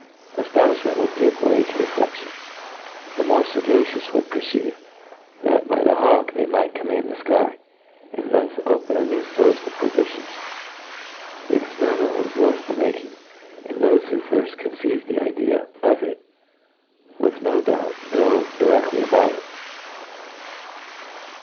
. Aftonifhment would give way to refledion. The more fagacious would perceive, that, by the hawk, they might command the Iky, and thence open a new fource of provifions. The experi ment Was worth the making ; and thofe who firft conceived the idea of it, would no doubt go di te&ly about it.